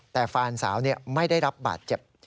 แต่แฟนสาวไม่ได้รับบาดเจ็บ